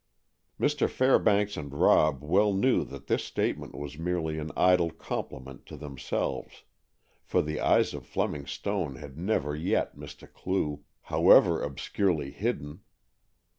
Mr. Fairbanks and Rob well knew that this statement was merely an idle compliment to themselves; for the eyes of Fleming Stone had never yet missed a clue, however obscurely hidden.